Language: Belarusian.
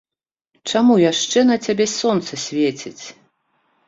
Чаму яшчэ на цябе сонца свеціць?